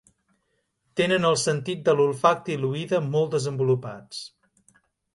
Tenen el sentit de l'olfacte i l'oïda molt desenvolupats.